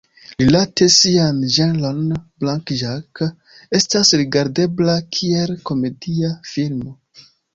Rilate sian ĝenron, "Black Jack" estas rigardebla kiel komedia filmo.